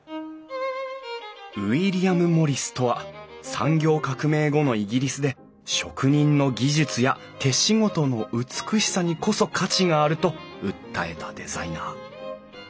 ウィリアム・モリスとは産業革命後のイギリスで職人の技術や手仕事の美しさにこそ価値があると訴えたデザイナー。